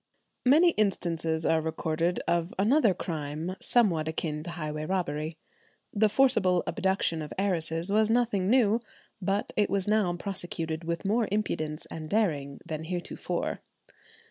Many instances are recorded of another crime somewhat akin to highway robbery. The forcible abduction of heiresses was nothing new; but it was now prosecuted with more impudence and daring than heretofore.